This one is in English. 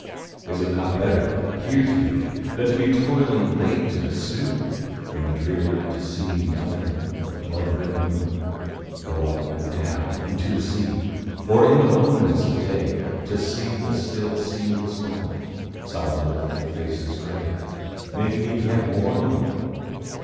Is it not better here to be, Than to be toiling late and soon? In the dreary night to see Nothing but the blood red moon Go up and down into the sea; Or, in the loneliness of day, To see the still seals only Solemnly lift their faces gray, Making it yet more lonely?